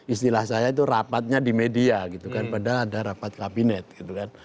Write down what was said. istilah saya itu rapatnya di media gitu kan padahal ada rapat kabinet gitu kan